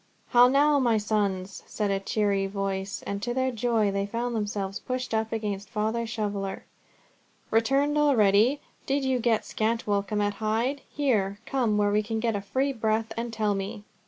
"How now, my sons?" said a full cheery voice, and to their joy, they found themselves pushed up against Father Shoveller. "Returned already! Did you get scant welcome at Hyde? Here, come where we can get a free breath, and tell me."